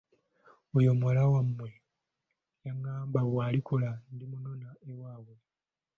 Oyo omuwala maawa yangamba bw'alikula ndimunona ewaabwe.